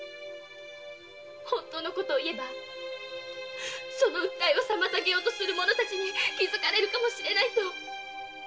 本当の事を言えばその訴えを妨げようとする者たちに気づかれるかもしれないと。